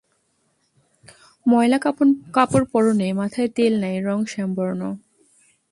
ময়লা কাপড় পরনে, মাথায় তেল নাই, রং শ্যামবর্ণ।